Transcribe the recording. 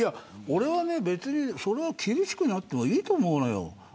俺は別に、それは厳しくなってもいいと思うのよ。